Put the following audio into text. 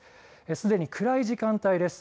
すでに暗い時間帯です。